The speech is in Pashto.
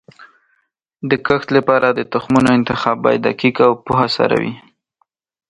د کښت لپاره د تخمونو انتخاب باید دقیق او پوهه سره وي.